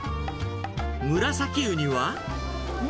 ムラサキウニは？